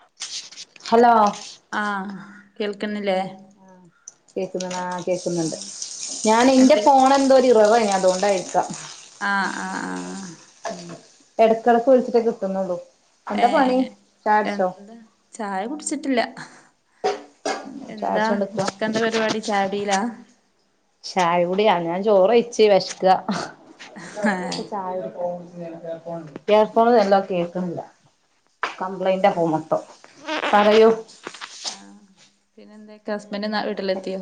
[inaudible] ആഹ് കേൾക്ക്ന്നില്ലേ ആഹ് ക്കെക്ക്ന്ന് ആഹ് കേക്ക്ന്ന്ണ്ട് ഞാൻ ഇന്റെ എന്ത് ഫോണ് എന്തോ ര് ഇററ്നി അതോ [unintelligible] ആഹ് ആഹ് ആഹ് ഇടക്കടക്ക് ഒളിച്ചിട്ടേ കിട്ടുന്നുള്ളൂ ഏ എന്താ പണി ചായടിച്ചോ എന്താ ചായ കുടിച്ചിട്ടില്ല എന്താ ചായടിച്ചോണ്ട്ക്ക ന്ത പരിപാടി ചായടിലാ ചായ കുടി അങ്ങനെ ചോറ് വെയ്ച്ച് വെശ്ക്ക ഏഹ് ചായ [unintelligible] ഏർ ഫോണില് എല്ലാം കേക്ക്ണില്ല കംപ്ലൈന്റ് ഫോ മൊത്തം പറയൂ ആഹ് പിന്നെ എന്തക്കെ ഹസ്ബൻഡ് നാ വീട്ടിലത്തിയോ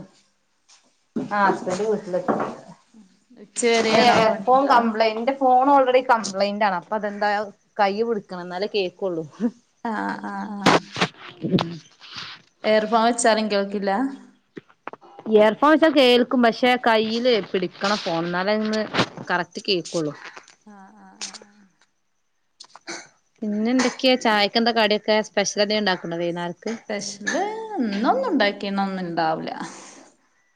ആഹ് ഹസ്ബൻഡ് വീട്ടിലത്തി ഉച്ച ഏ വരെയാണോ എപ്പോ പണിണ്ടാവ കംപ്ലൈന്റ്ആ ഫോൺ ഓൾറെഡി കംപ്ലൈന്റ് ആണ് അപ്പൊ അതെന്ത കൈ പിടുക്കണം ഇന്നാലേ കേകൊള്ളൂ ആഹ് ആഹ് ആഹ് ഉം എയർ ഫോൺ വെച്ചാലും കേൾക്കില്ല ഇയർ ഫോൺ വെചാ കേൾക്കും പക്ഷെ കയ്യില് പിടിക്കണം ഫോണ് ഇന്നാലേന്ന് കറക്റ്റ് കേകൊള്ളു ആഹ് ആഹ് ആഹ് ആഹ് പിന്നെ എന്തൊക്കെ ചായക്കന്ത കടിക്കെ സ്പെഷ്യലന്തേ ഇണ്ടാക്ക്ണ്ടോ വൈന്നാര്ക്ക് സ്പെഷ്യല് ഒന്നൊന്നും ഉണ്ടാക്കിണം ന്നും ഇണ്ടാവുല്ല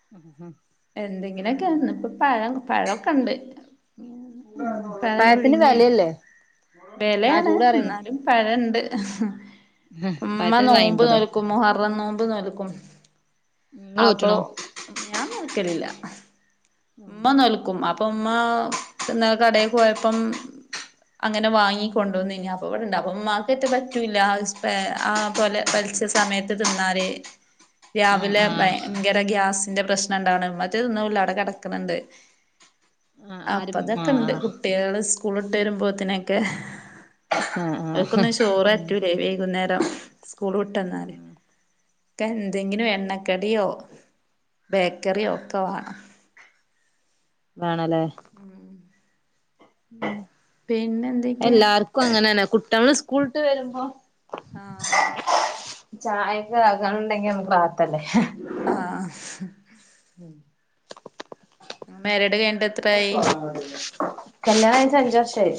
[unintelligible] എന്തെങ്കിലൊക്കെ ഇന്ന് ഇപ്പം പഴം പഴൊക്കെ ഇണ്ട് പായത്തിന് വെലല്ലേ വെലെണ് ഇന്നാലും പഴണ്ട് ഉമ്മ പഴത്തിന് കിലോ നോമ്പ് അയ്മ്പതോ നോൽക്കും മഹറം നോമ്പ് നോൽക്കും ങ്ങള് അപ്പൊ നോറ്റ്ണോ ഞാൻ നൽക്കലില്ല ഇമ്മ നോൽക്കും അ പ്പം ഇമ്മാ ഇന്നലെ കടെ പോയപ്പം അങ്ങനെ വാങ്ങികൊണ്ടുന്നെനി അപ്പോ ഇവിടെണ്ട് അപ്പം ഇമ്മാക്കറ്റേ പറ്റൂല്ല അഹ് സ്പ്രേ ആഹ് പോലെ പോല്ച്ച സമയത്ത് തിന്നാല് ആ രാവിലെ ആ ഭയങ്കര ഗ്യാസിന്റെ പ്രശ്നം ഇണ്ടാവാണ് മറ്റേ തിന്നൂല്ല ആഹ്യുടെ കടക്ക്ണ് ണ്ട് [inaudible] അപ്പ ആരും ആ അതൊക്കെ ഇണ്ട് കുട്ട്യാള് സ്കൂളി ഇട്ട് വരുമ്പോത്തിനെക്കെ ആ ആ ഓല്ക്കൊന്നും ചോറ് പറ്റൂലേ വൈകുന്നേരം സ്കൂള് വിട്ട് വന്നാല് ക്ക എന്തെങ്കിലും എണ്ണക്കടിയോ ബേക്കറിയോ ഒക്കെ വാണം വേണല്ലേ ഉം ഉം പിന്നെ എന്തേക്കെ ക്കും അങ്ങനെന്നെ കുട്ട്യാള് സ്കൂളിട്ട് വരുമ്പോ ആഹ് ചായക്കെ ആകാനുണ്ടെങ്കി നമക്ക് റാഹത്തല്ലേ ആഹ് ഉം മാരീഡ് കഴി കല്യാണം കഴിഞ്ഞിട്ട് അഞ്ചുവർഷായി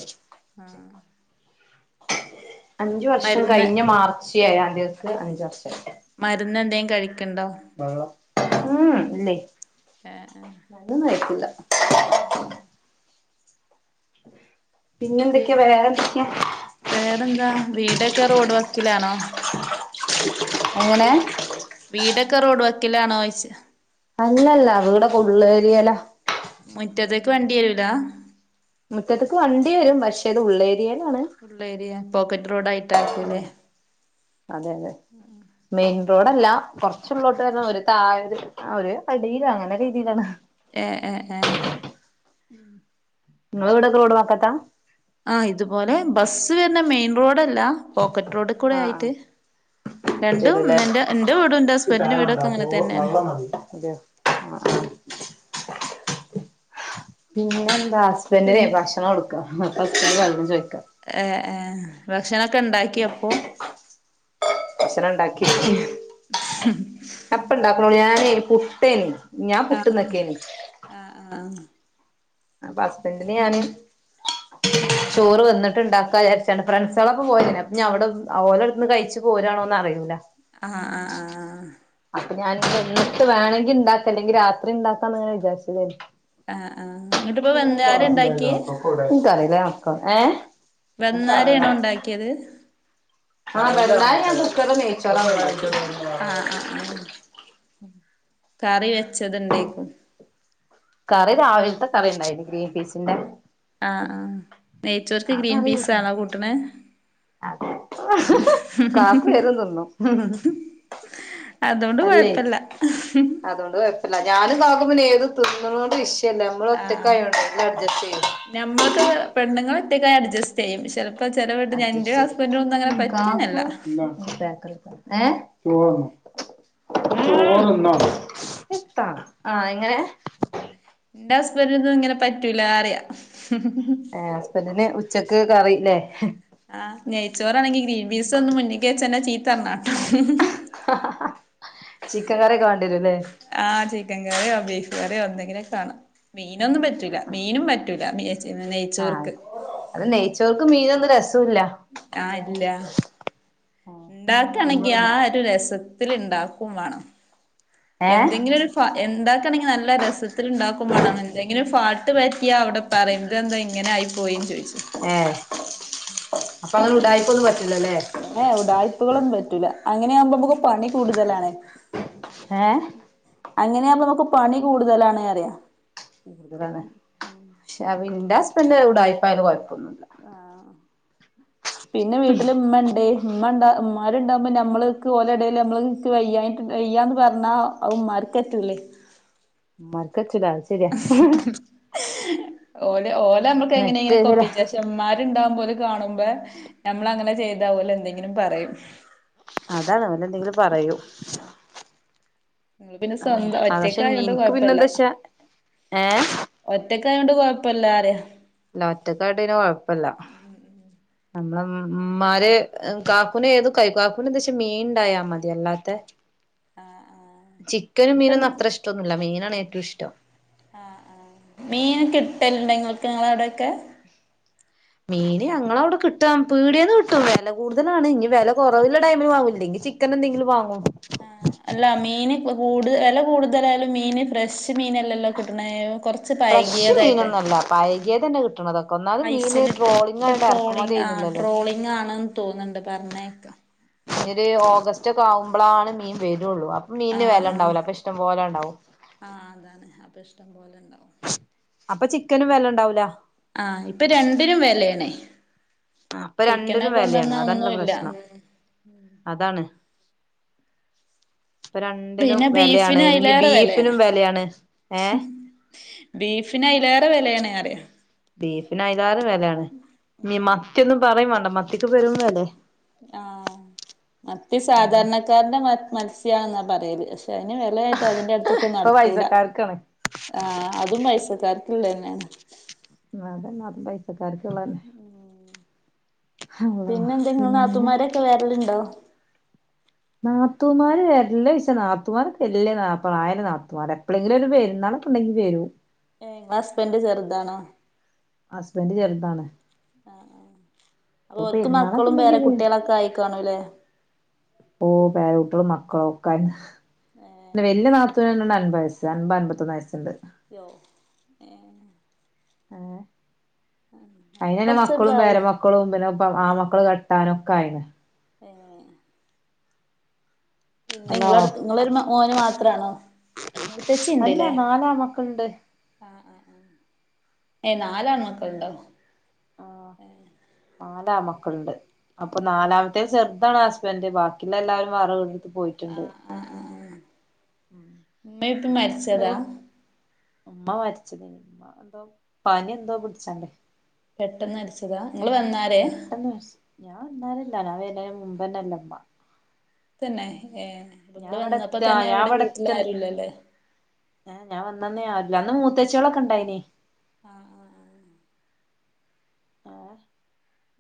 ആഹ് അഞ്ച് വർഷം മരുന്ന് കഴിഞ്ഞ മാർച്ച് ഏയന്തിക്കക്ക് അഞ്ച് വർഷായി മരുന്ന് എന്തേ കഴിക്ക്‌ണ്ടോ വെള്ളം ഉം ഇല്ലേ ഏഹ് ഇതൊന്നും കയ്ക്കൂല്ല ഉ ഉം പിന്നെ പിൻ എന്തൊക്കെയ വേറെ എന്തൊക്കെയാ വേറെന്താ വീടൊക്കെ റോഡ് വക്കിലാണോ എങ്ങനെ വീടൊക്കെ റോഡ് വക്കിലാണോഴിച്ച അല്ലല്ല വീടൊക്കെ ഉള്ളേരിയല മുറ്റത്തേക്ക് വണ്ടിരൂല മുറ്റത്തക്ക് വണ്ടി വരും പക്ഷേ ഇത് ഉള്ളേരിയയിലാണ് ഉള്ളേരിയ പോക്കറ്റ് റോഡ് ആയിട്ടാ ഉം അതെ അതെ ഉ ഉം മെയിൻ റോഡല്ല കുറച്ച്ള്ളോട്ട് വരണം ഒരു താഴര് ഒര് അടിയില അങ്ങനെ രീതിയിലാണ് ഏഹ് ഏഹ് ഏഹ് ഉം ഇങ്ങളെ വീടൊക്കെ റോഡ് വക്കത്ത ആഹ് ഇതുപോലെ ബസ്സ് വരുന്ന മെയിൻ റോഡല്ല പോക്കറ്റ് റോഡിൽ കൂടെ ആഹ് ആയിട്ട് ആഹ് തരൂലേ രണ്ടുംനന്നെ എന്റെ വീടും എന്റെ ചായ ഹസ്ബൻഡിന്റെ വേണ്ട വീടൊക്കെ അങ്ങനെ തന്നെയാണ് വെള്ളം മതി അതെയോ ആഹ് ആഹ് പിന്നെ എന്താ ഹസ്ബൻന്റിനെ പിന്നെ ഭക്ഷണം കൊടുക്കാ അപ്പം ഹസ്ബന്റ് വെള്ളം ചോയിക്കാ ഏഹ് ഏഹ് ഭക്ഷണക്കെ ഉണ്ടാക്കി അപ്പോ ഭക്ഷണണ്ടാക്കി ഞ്ഞാ ഇപ്പ ഇണ്ടാക്കണള്ളൂ ഞാനേ പുട്ടേനി ഞാൻ ആഹ് പുട്ട്ന്ന്ക്കേനി ആഹ് ആഹ് അപ്പൊ ഹസ്ബന്റിന് ഞാന് ചോറ് വന്നിട്ട്ണ്ടാക്കാ വിചാരിച്ചാണ് ഫ്രണ്ട്സളൊപ്പൊ പോയെതേനി അപ്പം അവിടെ ഓരോടടുത്ത്ന്ന് കഴിച്ചു പോരാണോന്ന് അറിയൂല്ല ആഹ് ആഹ് ആഹ് അപ്പൊ ഞാൻ വെന്നിട്ട് വേണങ്കിണ്ടാക്ക അല്ലെങ്കിൽ രാത്രിണ്ടാകാന്നങ്ങനെ വിചാരിച്ചതേനി ആഹ് ആഹ് ഇങ്ങട്ടിപ്പ വന്നാരണ്ടാക്കിയ ഏഹ് വന്നാരയാണോ ഉണ്ടാക്കിയത് ആഹ് വന്നാര ഞാൻ കുക്കർല് നെയ്‌ച്ചോറ അഹ് ആഹ് കറി വെച്ചത്ണ്ടേക്കും കറി രാവിൽത്തെ കറിണ്ടായിന് ഗ്രീൻപീസിന്റെ ആഹ് ആഹ് നെയ്ച്ചോർക്ക് ഗ്രീൻപീസാണോ കൂട്ടണ അതെ കാക്കു ഏതും തിന്നും അതൊണ്ട് കുഴപ്പില്ല അല്ല ഞാനും കാക്കു പിന്നെ ഏത് തിന്ന്ണോണ്ട് വിഷയല്ല നമ്മൾ ആഹ് ഒറ്റക്കായോണ്ടെ എല്ലും അഡ്ജസ്റ്റയ്യും ഞമ്മൾക്ക് പെണ്ണങ്ങലോറ്റെക്കായ അഡ്ജസ്റ്റ് ചെയ്യും ചെല അച്ച്ചരി കാപ്പ പറ്റന്നല്ല പക്ക [inaudible] ആ എങ്ങനെ എന്റെ ഹസ്ബന്റിനൊന്നും ഇങ്ങനെ പറ്റൂല അറിയ ഹസ്ബൻഡറിന് ഉച്ചക്ക് കറിയില്ലേ ആഹ് നെയ്ച്ചോറാണെങ്കി ഗ്രീൻ ബീസ് ഒന്ന് മുന്ന്ക്ക് വച്ചന്നെ ചീ തരണം ട്ടാ ഹ ഹ ഹാ ചിക്കൻ കറിയൊക്കെ വാണ്ടേരും ല്ലെ ആഹ് ചിക്കൻ കറിയോ ബീഫ് കറിയോ എന്തെങ്കിലൊകെ വാണം മീനൊന്നും പറ്റൂല്ല മീനും- ലാ [unintelligible] ആഹ് അത് നെയ്ച്ചോർക്ക് മീനൊന്നും രസോല്ല ആഹ് ഇല്ല ആഹ് ഇവിടെ ഇണ്ടാക്കാണെങ്കിൽ ആ നോക്കും ഒരു രസത്തില് ഇണ്ടാക്കും വാണം ഏഹ് എന്തെങ്കിലും ഫാ ഇണ്ടാക്കാണെങ്കിൽ നല്ല രസ ഇണ്ടാക്കും മാണം എന്തെങ്കിലും ഫാട്ട് പറ്റിയ അവിടെ പറിം ഇതെന്താ എന്താ ഇങ്ങനെ ആയി പോയിന്നു ചോയ്ച്ചും ഏ അപ്പൊ അങ്ങനെ ഉടായിപ്പൊന്നും പറ്റൂലല്ലേ ഏഹ് ഉടായിപ്പുകളൊന്നും പറ്റൂല അങ്ങനെയാകുമ്പോമ്മക്ക്‌ പണി കൂടുതലാണ് ഏ അങ്ങനെയാമ്പോ നമുക്ക് പണി കൂടുതലാണ് അറിയാ കൂടുതലാണ് ക്ഷെ ഇന്റെ ഹസ്ബൻഡ് ഉടായിപ്പായാലും കൊഴപ്പൊന്നുല്ല ആഹ് പിന്നെ വീട്ടില് ഇമ്മണ്ട് ഇമ്മണ്ട ഉമ്മാരുണ്ടാക്ബോമ്മള് നമ്മൾക്ക് ഓല എടേൽ നമ്മള് വയ്യാട്ട് വയ്യാന്ന് പറഞ്ഞാ അത് ഇമ്മാര്ക്കറ്റൂലയ് മ്മാര്ക്കറ്റൂല ഓല ഓല അമ്മക്ക് മറ്റേ ചില എങ്ങനെലുംകൊപ്പിച്ച മ്മാരുണ്ടാകുമ്പോ ഓല് കാണുബെ നമ്മൾ അങ്ങനെ ചെയ്താൽ ഓലെന്തെങ്കിലും പറയും അതാണ് ഓലെന്തെങ്കിലും പറയും നിങ്ങള് പിന്നെ സ്വന്തം അ പക്ഷെ ഒറ്റക്കായോണ്ട് ഇൻക്ക് കൊഴപ്പല്ല പിന്നെന്തേച്ച ഏഹ് ഒറ്റക്കായോണ്ട് കൊഴപ്പല്ല അറയ ല്ല ഒറ്റക്കായൊണ്ട് ന്നെ കൊഴപ്പല്ല നമ്മള ഇമ്മാര് കാക്കൂനെ ഏതും കഴികും കാക്കൂനെ എന്ത ച്ചാ മീൻണ്ടായാൽ മതി അല്ലാത്തെ ചിക്കനും ഇപ്പം മീനൊന്നും അത്ര ഇഷ്ട്ടൊന്നുല്ല മീനാണ് ഏറ്റവും ഇഷ്ടം ആ ആ മീൻ കിട്ടല്ണ്ട നിങ്ങൾക്ക് ങ്ങള അവിടൊക്കെ [inaudible] മീന് ഞങ്ങളവടെ കിട്ടാം പീടിയന്ന് കിട്ടും വെല കൂടുതലാണ് ഇനി വെല കൊറവില്ലെ ടൈമില് വാങ്ങും ഇല്ലെങ്കിൽ ചി- ക്കനെന്തെങ്കിലും വാങ്ങും അല്ല മീന് കൂടു വെല കൂടുതലായാലും മീന് ഫ്രഷ് മീനല്ലല്ലോ ല്ലല്ലോ കിട്ട്ണത് കൊറച്ച് ഫ്രഷ് പഴകിയതായിട്ടാണ് മീനൊന്നല്ല ഉം പഴകിയതന്നെ കിട്ടണതൊക്കെ ഒന്നാമത് ഐസ് മീന് ല് ട്രോളിംഗ് ഇപ്പൊ ആയോണ്ട് ട്രോളി എറക്കുമതി ആ ചെയ്യുന്നില്ലല്ലോ ട്രോളിംഗാണ്ന്ന് തോന്ന്ണ്ട് പറഞ്ഞയ്ക്ക ഇ ഒരു ഓഗസ്റ്റ് ഒക്കാകുമ്പോളാണ് മീ വരോള്ളു അപ്പം മീന് ന് വെലണ്ടാവില്ല അപ്പൊ ഇഷ്ടം പോലെണ്ടാവും ആ അതാണ് അപ്പ ഇഷ്ടം പോലെ ഇണ്ടാവും അപ്പൊ ചിക്കനും വെല ഇണ്ടാവൂല ആഹ് ഇപ്പൊ രണ്ടിനും വെലേണയ് ആ അപ്പൊ രണ്ടിനും വെലയാണ് അതാണ്ല്ല ഒന്നുല്ല പ്രശ്നം ഉം അതാണ് പ്പൊ രണ്ടിനും പിന്നെ വെലയാണ് ബീഫിന് ഇഞ്ഞി അയിലേറെ വെലേണ് ബീഫിനും വെലയാണ് ഏഹ് ബീഫിന് അയിലേറെ വെലേണ് അറിയ ബീഫിന് അതാരം വിലയാണ് ന മത്തിയൊന്നും പറയും വേണ്ട മത്തിക്ക് പെരും വില ആഹ് മത്തി സാധാരണക്കാരന്റെ മത്സ്യണെന്നാ പറയൽ പക്ഷെ അതിന് വിലയായിട്ടാ അതിന്റെ അടുത്തൊക്കെ ഇപ്പൊ നടത്തൂടാ പൈസക്കാർക്കാണ് ആഹ് അതും പൈസക്കാർക്കില്ല തന്നെയാണ് അത് തന്നെ പൈസക്കാർക്കള്ളന്നെ അല്ലാഹ് പിന്നെ വേരലുണ്ടോ നാത്തുമാര് വേരൽ ചെയ്യിച്ച നാത്തുമാർ എല്ല നാ ആയിര നാത്തമാർ എപ്പോഴെങ്കിലും ഒരു പെരുന്നാള്ും ഉണ്ടങ്കിൽ വരും ഏയ് നിങ്ങള ഹസ്ബന്ഡറ് ചെറുതാണോ ഹസ്ബൻഡ് ചെറുതാണ് ആഹ് ആഹ് അപ്പൊ ര്ക്ക് പെരുന്നാളൊക്കെ മക്കളും ഉണ്ടെങ്കി വേറെ വരും കുട്ടികളൊക്കെ ആയിക്കണുല്ലേ ഓ പേരൂട്ടികളും മക്കളും ഒക്കെ ഏഹ് പിന്നെ വല്യ തണ്ട് അൻപ വയസ് അൻപത് അമ്പപൊന്ന വയസ്ുണ്ട് [unintelligible] ഏയ് അപ്പൊ അയിന്ന്നെ കൊറച്ച് മക്കളും പ്രായം പേരമക്കളും പിന്നെ ആ മക്കള് കെട്ടാനൊക്കെ ആയി ഏയ് പിന്നെ നിങ്ങള അല്ലാഹ് അടു നിങ്ങളരു മോന് മാത്രമാണോ ആഹ് അല്ല മൂത്തച്ചിന്ടല്ലേ നാലാമക്കളുണ്ട് ആഹ് ആഹ് ആഹ് ഏയ് നാലൻമക്കൾ ഉണ്ടോ ആഹ് നാലാ മക്കളുണ്ട് അപ്പൊ നാലാമത്തെേ ചെറുതാണ് ഹസ്ബൻഡ് ബാക്കി ഇന്ന് എല്ലാവരും വേറെ ഒരിടത്ത് പോയിട്ടുണ്ട് ആഹ് ആഹ് ആഹ് ആഹ് ഉം ഉമ്മേയുമുപ്പയും പിന്നെ മൂ മരിച്ചതാ ഉമ്മ മരിക്കാന് ഉമ്മക്ക് എന്തോ പനി എന്തോ പിടിച്ചാണ്ടേ പെട്ടെന്ന് മരിച്ചതാ നിങ്ങള്ൾ വന്നാരേ പെട്ടെന്ന് മരിച്ചു ഞാൻ അന്നാരല്ല ഞാ വേന മുമപ്ന്നല്ലമ്മ തന്നെ ഏയ് ഞാൻ നിങ്ങൾ ഇവിടെ വന്നപ്പോ എത്ത തന്നെ ഞാൻ അവിടെ വീട്ടില ആരുല്ലല്ലേ ഹ ഞാൻ വന്ന ആില്ല അന്ന് മൂത്തേച്ചോളൊക്കെ ഉണ്ടായിന് ആഹ് ആഹ് ഏഹ്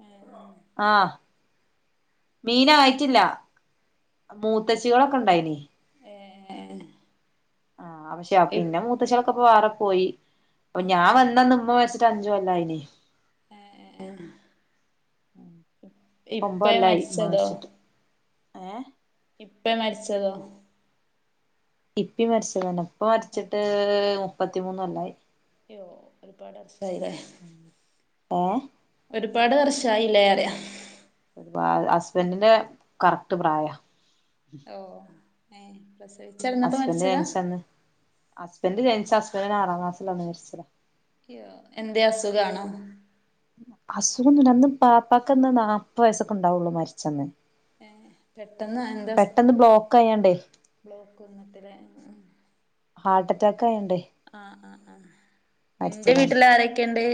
ആഹ് ഉം ആഹ് മീൻ ആയിട്ടില്ല മൂത്തച്ചികളൊക്കെ ഉണ്ടായിന് ആഹ് ഏ ആഹ് പക്ഷേ ഇപ് പിന്നെ മൂ ത്തച്ചിക്കൊ വേറെ പോയി അപ്പൊ ഞാൻ വന്നന്ന് ഉമ്മ മരിച്ചിട്ട് അഞ്ച് കൊല്ലവായിന്ന് ഉം ഇപ്പം ഇപ്പേ ഒൻപത്കൊല്ലായി ഉമ്മ മരിച്ചതോ മരിച്ചിട്ട് ഏയ് ഇപ്പ മരിച്ചതോ ഇപ്പി മരച്ചതന്നെ ഇപ്പ മരച്ചിട്ട് മുപ്പത്തിമൂന് കൊല്ലവായി അയ്യോ ഒരുപാട് അറസായിതേ ഏയ് ഒരുപാട് വർഷമായില്ലേ പറയാ ഒരുപാ ഹസ്ബൻഡിന്റെ കറക്ട് പ്രായം ഓ ഏ പ്രസവിച്ചുടന്നപ്പോ മരിച്ചതാ ഹസ്ബന്ഡ് ജനിച്ച ഹസ്ബൻറിന് ആറാംക്ാസൽന്ന് മരിച്ചതാ അ്യോ എന്ത അസുഖണോ അസുഖം ഒന്ന്ും പാപ്പാക്കന്ന്ാ നാപ്പത് വയസ്സൊക്കെ ഉണ്ടാവുള്ളു മരിച്ചെന്ന് പെട്ടെന്ന് എന്താ ബ്ലോക്ക് ആയാണ്ടേ ബ്ലോക്ക് വന്ന്ട്ട് ല്ലേ ഉം ഉം ഹാർട്ടറ്റാക്കായോണ്ടേ ആഹ് ആഹ് ആഹ് നിന്റെ വീട്ടിലാരെക്കെണ്ട്?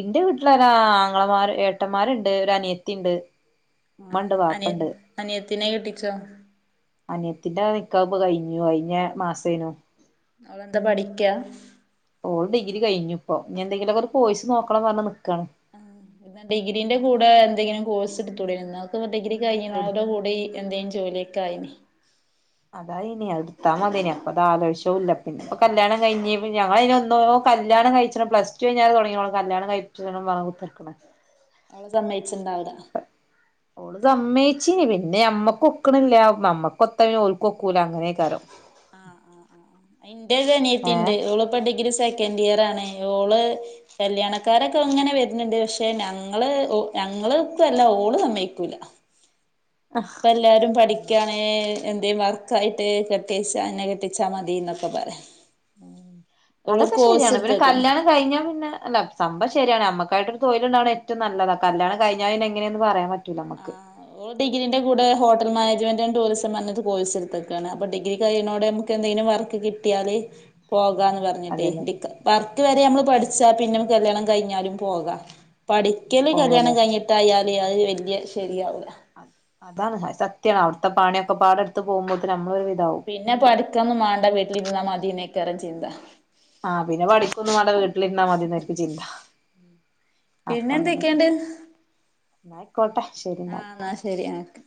ഇന്റെ വീട്ടിലരാ ആങ്ങളമാര് ഏട്ടമ്മാര്ണ്ട് ഒരനിയത്തിണ്ട്. ഇമ്മണ്ട് അനിയ വാപ്പണ്ട്. അനിയത്തിനെ കെട്ടിച്ചോ? അനിയത്തിന്റെ നിക്ക്ഹ് പൊ കഴിഞ്ഞു കഴിഞ്ഞ മാസേനു. അവളെന്താ പഠിക്ക? ഓള് ഡിഗ്രി കഴിഞ്ഞ് പ്പോ ഇഞെന്തെങ്കിലൊക്കൊരു കൊഴ്സ് നോക്കണം പർഞ്ഞ് നിക്കാണ്. ഉം പിന്നെ ഡിഗ്രിന്റെ കൂടെ എന്തെങ്കിലും കോഴ്സ്ട്തൂടെന്യോ ന്നാ ഓക്ക് ഡിഗ്രി കഴിഞ്ഞ് എടു [unintelligible] ടെ കൂ ടി എന്തേം ജോല്യൊക്കായിനി അതായിനി അത്‌ട്ത്താ മത്യേനി അപ്പതാലോയ്ച്ച്വാല പിന്നെ പ്പൊ കല്യാണം കഴിഞ്ഞ് ന് ഞങ്ങളയ്ന് എന്നോ കല്യാണം കഴിച്ചണം പ്ലസ്ടു ഴ്ഞ്ഞാരെ തൊടങ്ങിണോളെ കല്യാണം കഴിപ്പിച്ചണം പർഞ്ഞ് കുത്തർക്ക്ണ്. അവള് സമ്മയ്ച്ച്ണ്ടാവൂല ഓള് സമ്മയ്ച്ചീനി പിന്നെ അമ്മകൊക്ക്ണില്ല നമ്മക്കൊത്ത പിന്നെ ഓൽക്കൊക്കൂല്ല അങ്ങനെക്കാരം. ആഹ് ആഹ് ആഹ് ഇന്റെ ഒരനിയത്തി ഏഹ് ണ്ട് ഓള്പ്പൊ ഡിഗ്രി സെക്കൻഡിയറാണ് ഓള് കല്യാണക്കാരൊക്കങ്ങനെ വെര്ന്ന്ണ്ട് പക്ഷെ ഞങ്ങള് ഒ ഞങ്ങള് വെക്കല്ല ഓള് സമ്മയ്ക്കൂല്ല ആഹ് എല്ലാരും പഠിക്കാണ് എന്തേം വർക്കായിട്ട് കെട്ടിച്ച എന്നെ കെട്ടിച്ചാ മതി ന്നൊക്കെ പറയ ഉം അതൊക്കെ ശെര്യാണ്‌ പിന്നെ എടുത്തേക്കാണ് കല്യാണ കഴിഞ്ഞാ പിന്നെ അല്ല സംഭവം ശെര്യാണ് അമ്മക്കായിട്ടൊരു തൊഴില്ണ്ടാണെ ഏറ്റും നല്ലത് കല്യാണ കഴിഞ്ഞ പിന്നെ എ ങ്ങനെന്ന് പറയാൻ പറ്റൂല്ലമക്ക്. ആഹ് ഓള് ഡിഗ്രീന്റെ കൂടെ ഹോട്ടൽ മാനേജ്മെൻ്റ് ആൻഡ് ടൂറിസം പർഞ്ഞൊരു കോഴസ് ട്ത്തക്കാണ് അപ്പോ ഡിഗ്രി കഴിണോടമ്മ ക്കെന്തെങ്കിലും വർക്ക് കിട്ട്യാല് പോകാന്ന് പർ അതന്നെ [unintelligible] വർക്ക് വരെ അമ്മള് പഠിച്ചാ പിന്നെ മ്മക്ക് കല്യാണം കഴിഞ്ഞാലും പോക പഠി ക്കല് കല്യാണം പോവല്ലേ കഴിഞ്ഞിട്ടായാല് അത് വെല്യ ശെരിയാവൂല്ല. അതാണ് അത് സത്യാണ് അവ്ട്ത്തെ പണ്യൊക്കെപാടെട്ത്ത് പോവുമ്പോത്ത്ന് അമ്മള് ആഹ് താവും പിന്നെ പഠിക്കൊന്നും മാണ്ട വീട്ടിലിര്ന്നാ മതിന്നേക്കാരം ചിന്ത ആഹ് പിന്നെ പഠിക്കൊന്നും മാണ്ട വീട്ടിലിര്ന്നാമതിന്നായിരിക്കും ചിന്ത. പിന്നെ ന്തൊക്കെണ്ട്? എന്നയിക്കോട്ടെ ശെരി ന്നാല്. എന്നാ ശരി ആഹ്